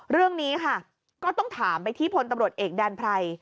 เรื่องนี้ค่ะก็ต้องถามไปที่พลตำรวจเอกแดนไพร